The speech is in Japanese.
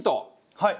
はい。